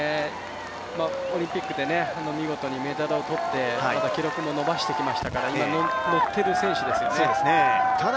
オリンピックで見事にメダルを取って記録も伸ばしてきましたから今、乗っている選手ですよね。